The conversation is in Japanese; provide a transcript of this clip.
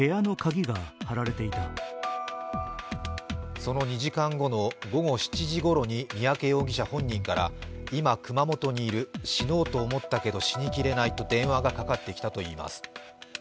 その２時間後の午後７時頃に三宅容疑者本人から今、熊本にいる、死のうと思ったけど死にきれないと電話がかかってきたといいます。